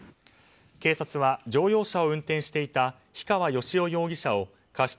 警察は乗用車を運転していた樋川芳男容疑者を過失